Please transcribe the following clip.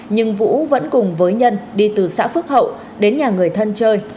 nhưng vũ vẫn cùng với nhân đi từ xã phước hậu đến nhà người thân chơi